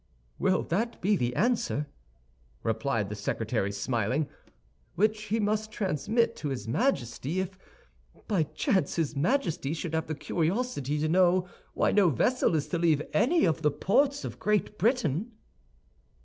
"Will that be the answer," replied the secretary, smiling, "which he must transmit to his Majesty if, by chance, his Majesty should have the curiosity to know why no vessel is to leave any of the ports of Great Britain?"